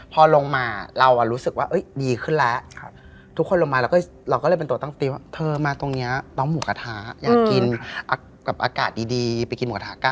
เผื่อจะไล่อะไรออกไป